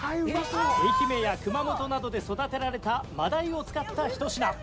愛媛や熊本などで育てられたまだいを使ったひと品。